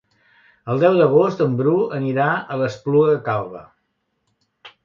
El deu d'agost en Bru anirà a l'Espluga Calba.